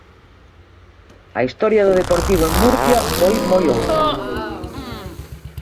A historia do Deportivo en Murcia foi moi outra.